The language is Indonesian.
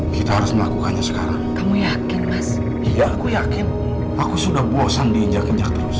kita harus melakukannya sekarang kamu yakin mas iya aku yakin aku sudah bosan diinjak injak terus